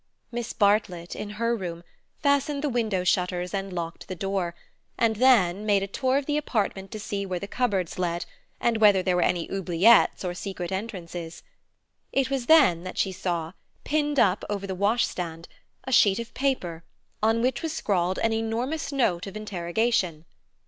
Miss Bartlett, in her room, fastened the window shutters and locked the door, and then made a tour of the apartment to see where the cupboards led, and whether there were any oubliettes or secret entrances. It was then that she saw, pinned up over the washstand, a sheet of paper on which was scrawled an enormous note of interrogation.